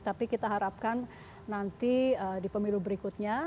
tapi kita harapkan nanti di pemilu berikutnya